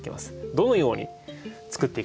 どのように作っていくか。